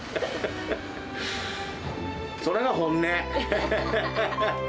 それが本音。